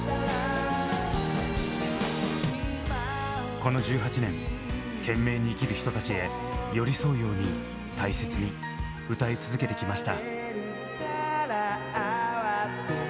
この１８年懸命に生きる人たちへ寄り添うように大切に歌い続けてきました。